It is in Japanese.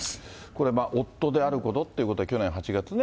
これ、夫であることっていうことで、去年８月ね。